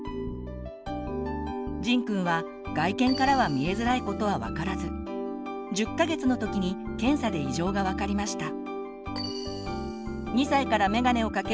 じんくんは外見からは見えづらいことはわからず１０か月のときに検査で異常がわかりました。